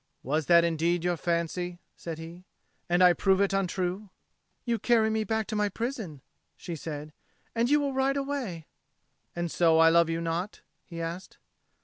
"Was that indeed your fancy?" said he. "And I prove it untrue?" "You carry me back to my prison," she said. "And you will ride away." "And so I love you not?" he asked.